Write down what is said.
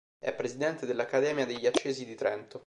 È presidente dell'Accademia degli Accesi di Trento.